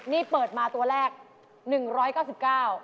นี่เปิดมาตัวแรก๑๙๙บาท